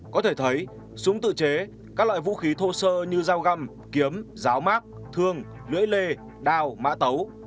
có thể thấy súng tự chế các loại vũ khí thô sơ như dao găm kiếm ráo mát thương lưỡi lê đao mã tấu